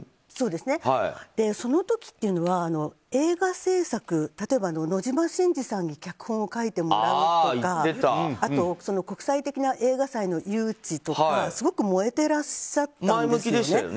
その時っていうのは映画制作例えば、野島伸司さんに脚本を書いてもらうとかあと、国際的な映画祭の誘致とかすごく燃えていらっしゃったんですよね。